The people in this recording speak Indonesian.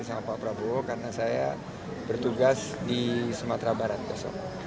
saya berkoordinasi dengan pak prabowo karena saya bertugas di sumatera barat besok